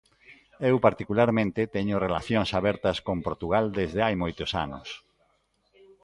Eu particularmente teño relacións abertas con Portugal desde hai moitos anos.